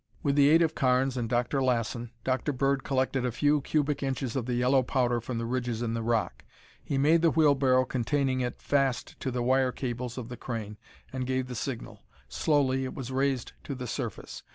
With the aid of Carnes and Dr. Lassen, Dr. Bird collected a few cubic inches of the yellow powder from the ridges in the rock. He made the wheelbarrow containing it fast to the wire cables of the crane and gave the signal. Slowly it was raised to the surface.